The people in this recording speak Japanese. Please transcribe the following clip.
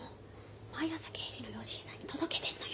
毎朝経理の吉井さんに届けてんのよ。